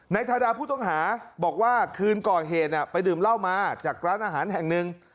ทาดาผู้ต้องหาบอกว่าคืนก่อเหตุไปดื่มเหล้ามาจากร้านอาหารแห่งหนึ่ง